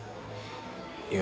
いや。